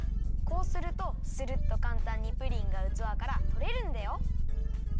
こうするとスルッとかんたんにプリンがうつわからとれるんだよ。